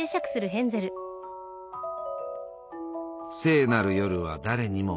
聖なる夜は誰にも訪れる。